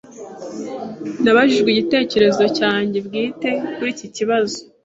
Nabajijwe igitekerezo cyanjye bwite kuri iki kibazo.